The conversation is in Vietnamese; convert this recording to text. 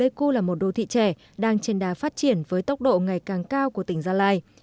pleiku là một đô thị trẻ đang trên đá phát triển với tốc độ ngày càng cao của tỉnh gia lai